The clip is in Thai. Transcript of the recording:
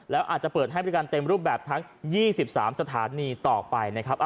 แล้วอาจจะเปิดให้บริการเต็มรูปแบบทั้ง๒๓สถานีต่อไปนะครับ